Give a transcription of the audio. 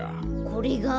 これが？